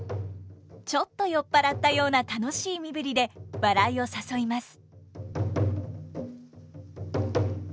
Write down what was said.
ちょっと酔っ払ったような楽しい身振りで笑いを誘います。